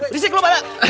risik lu pak